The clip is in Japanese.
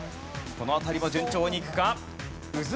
この辺りも順調にいくか？